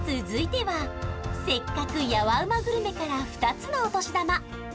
続いてはせっかくヤワうまグルメから２つのお年玉